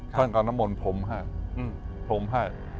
ท่านก็น้ำมนต์พรมให้พรมให้